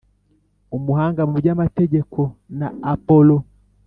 umuhanga mu by’amategeko na Apolo